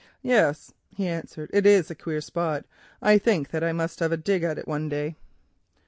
"Yes," he answered, "it is a queer spot. I think that I must have a dig at it one day."